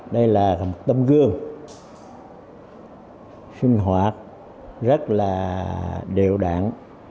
đây là tấm gương sinh hoạt rất là điều đạn